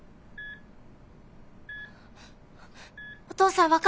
お父さん！